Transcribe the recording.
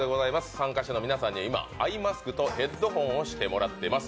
参加者の皆さんには今、アイマスクとヘッドホンをしてもらっています。